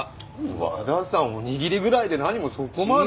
和田さんおにぎりぐらいで何もそこまで。